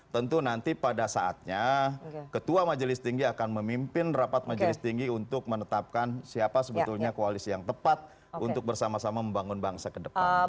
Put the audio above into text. tentu nanti pada saatnya ketua majelis tinggi akan memimpin rapat majelis tinggi untuk menetapkan siapa sebetulnya koalisi yang tepat untuk bersama sama membangun bangsa ke depan